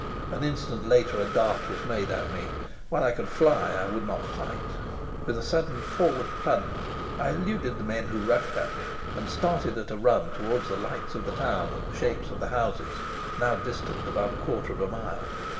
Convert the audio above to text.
An instant later, a dart was made at me. While I could fly I would not fight; with a sudden forward plunge I eluded the men who rushed at me, and started at a run towards the lights of the town and the shapes of the houses, now distant about a quarter of a mile.